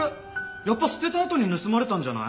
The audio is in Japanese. やっぱ捨てたあとに盗まれたんじゃない？